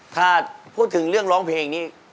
ถ้าพูดถึงเรื่องร้องเพลงนี้